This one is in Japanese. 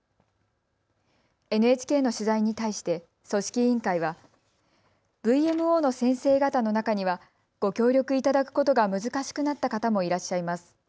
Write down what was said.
ＮＨＫの取材に対して組織委員会はＶＭＯの先生方の中にはご協力いただくことが難しくなった方もいらっしゃいます。